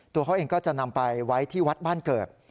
ตัวเขาเองก็จะนำไปไว้ที่วัดบ้านเกิด